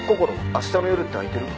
明日の夜って空いてる？